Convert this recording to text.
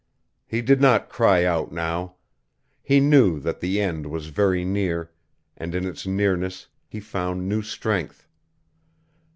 He did not cry out now. He knew that the end was very near, and in its nearness he found new strength.